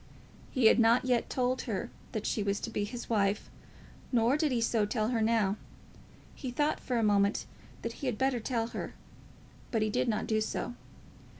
He had not yet told her that she was to be his wife, nor did he so tell her now. He thought for a moment that he had better tell her, but he did not do so.